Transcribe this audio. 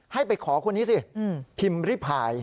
ให้ไปขอคนนี้สิพิมพ์ริพาย